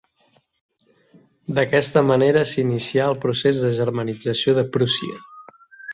D'aquesta manera s'inicià el procés de germanització de Prússia.